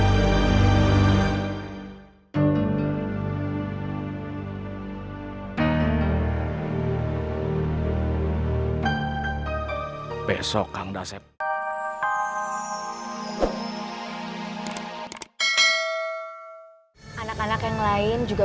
sampai jumpa di video selanjutnya